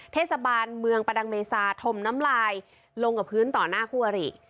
เทศบาลเมืองประดังเมษาถมน้ำลายลงกับพื้นต่อหน้าคู่อริ